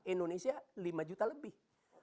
indonesia lima juta lebih